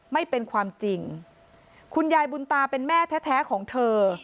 ไม่เป็นความจริงคุณยายบุญตาเป็นแม่แท้ของเธอ